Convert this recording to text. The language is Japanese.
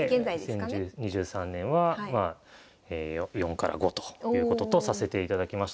２０２３年は４５ということとさせていただきました。